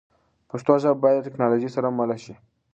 پښتو ژبه باید د ټکنالوژۍ سره مله شي.